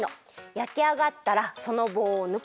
やきあがったらそのぼうをぬく。